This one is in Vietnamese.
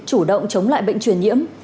chủ động chống lại bệnh truyền nhiễm